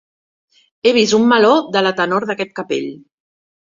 He vist un meló de la tenor d'aquest capell.